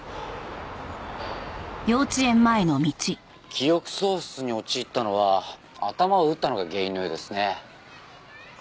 記憶喪失に陥ったのは頭を打ったのが原因のようですね。